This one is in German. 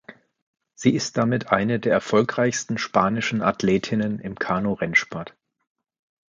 Sie ist damit eine der erfolgreichsten spanischen Athletinnen im Kanurennsport.